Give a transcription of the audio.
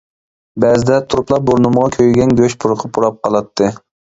بەزىدە تۇرۇپلا بۇرنۇمغا كۆيگەن گۆش پۇرىقى پۇراپ قالاتتى.